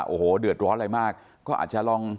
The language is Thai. โอ้โหเดือดร้อนอะไรมากก็อาจจะลอง